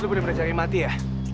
lo udah berjaga jaga mati ya